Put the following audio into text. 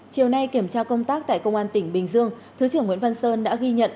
chiều nay kiểm tra công tác tại công an tỉnh bình dương thứ trưởng nguyễn văn sơn đã ghi nhận